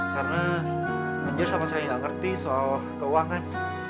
karena anjar sama sekali gak ngerti soal keuangan